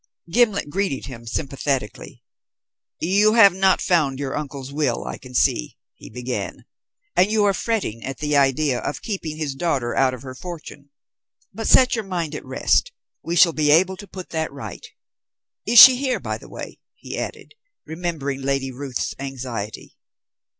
Gimblet greeted him sympathetically. "You have not found your uncle's will, I can see," he began, "and you are fretting at the idea of keeping his daughter out of her fortune. But set your mind at rest; we shall be able to put that right. Is she here, by the way?" he added, remembering Lady Ruth's anxiety.